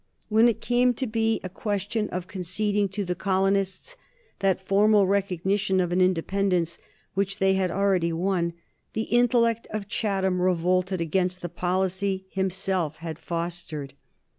When it came to be a question of conceding to the colonists that formal recognition of an independence which they had already won, the intellect of Chatham revolted against the policy himself had fostered.